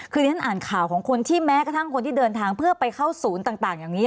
คือที่ฉันอ่านข่าวของคนที่แม้กระทั่งคนที่เดินทางเพื่อไปเข้าศูนย์ต่างอย่างนี้